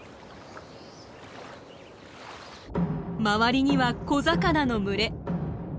周りには小魚の群れ。